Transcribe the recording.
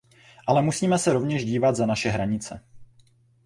Ale musíme se rovněž dívat za naše hranice.